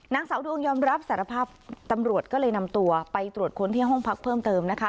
นางสาวดวงยอมรับสารภาพตำรวจก็เลยนำตัวไปตรวจค้นที่ห้องพักเพิ่มเติมนะคะ